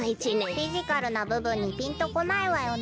フィジカルなぶぶんにピンとこないわよね。